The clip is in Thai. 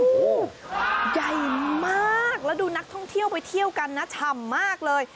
โอ้โหใหญ่มากแล้วดูนักท่องเที่ยวไปเที่ยวกันนะฉ่ำมากเลย